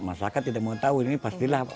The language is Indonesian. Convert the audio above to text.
masyarakat tidak mau tahu ini pastilah